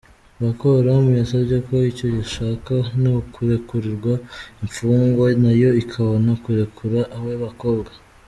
Boko Haram yasabye ko icyo ishaka ni ukurekurindwa imfungwa nayo ikabona kurekura abo bakobwa.